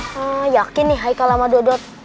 hmm yakin nih heika sama dudut